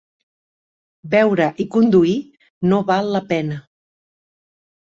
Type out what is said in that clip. Beure i conduir no val la pena.